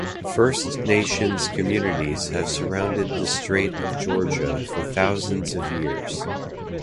First Nations communities have surrounded the Strait of Georgia for thousands of years.